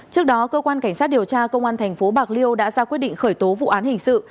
trước đó cơ quan cảnh sát điều tra công an thành phố bạc liêu đã ra quyết định khởi tố vụ án hình sự